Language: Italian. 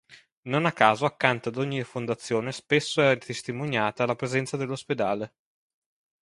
Non a caso accanto ad ogni fondazione spesso è testimoniata la presenza dell'ospedale.